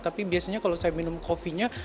tapi biasanya kalau saya minum kopinya